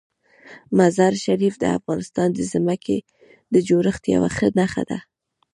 مزارشریف د افغانستان د ځمکې د جوړښت یوه ښه نښه ده.